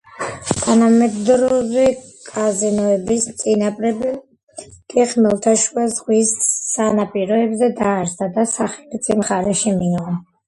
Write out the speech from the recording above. თანამედროვე კაზინოების „წინაპრები“ კი ხმელთაშუა ზღვის სანაპიროებზე დაარსდა და სახელიც იმ მხარეში მიიღო.